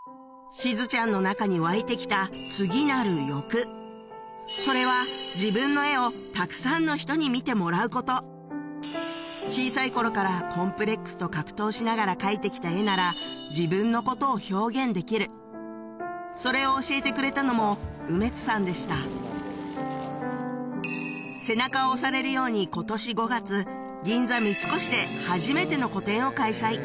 しずちゃんの中に湧いてきたそれは自分の小さい頃からコンプレックスと格闘しながら描いてきた絵なら自分のことを表現できるそれを教えてくれたのも梅津さんでした背中を押されるように今年５月銀座三越で初めての個展を開催